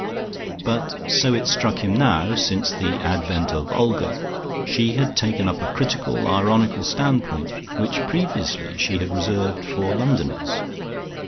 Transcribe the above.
But, so it struck him now, since the advent of Olga, she had taken up a critical ironical standpoint, which previously she had reserved for Londoners.